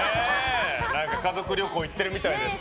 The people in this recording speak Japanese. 家族旅行に行っているみたいです。